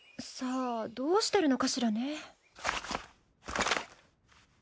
さあどうしてるのかしらね。